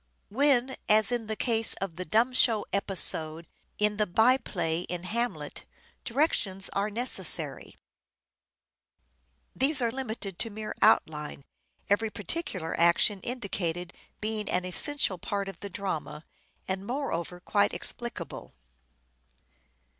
When, as in the case of the dumb show episode in the by play in " Hamlet," directions are necessary, these are limited to mere outline, every particular action indicated being an essential part of the drama, and moreover quite explicable.